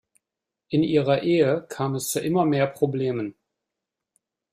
In ihrer Ehe kam es zu immer mehr Problemen.